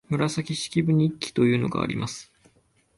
「紫式部日記」というのがあります